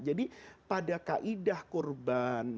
jadi pada kaidah kurban